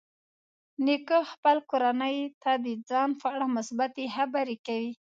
نیکه خپل کورنۍ ته د ځان په اړه مثبتې خبرې کوي.